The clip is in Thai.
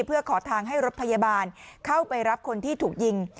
เพื่อขอทางให้รถพยาบาลเข้าไปรับคนที่ถูกยิง